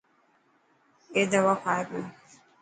اي دوا کائي پيو.